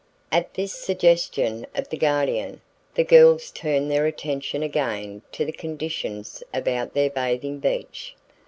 At this suggestion of the Guardian, the girls turned their attention again to the conditions about their bathing beach.